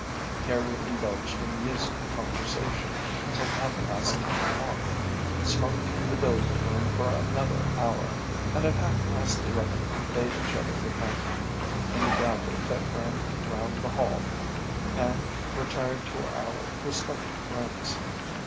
Here we indulged in music and conversation until half past ten o'clock, smoked in the billiard room for another hour, and at half past eleven bade each other good night in the gallery that ran round the hall, and retired to our respective rooms.